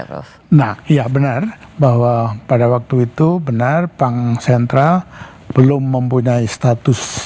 nah iya benar bahwa pada waktu itu benar bank sentral belum mempunyai status